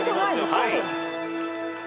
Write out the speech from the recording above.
はい。